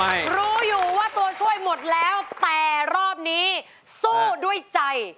รู้อยู่ว่าตัวช่วยหมดแล้วแต่รอบนี้สู้ด้วยใจ